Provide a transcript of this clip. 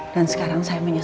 dan sekarang saya menyesal